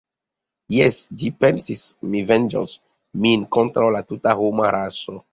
Jes, ĝi pensis, mi venĝos min kontraŭ la tuta homa raso!